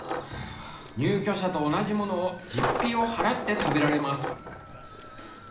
入居者と同じものを実費を払って食べられます。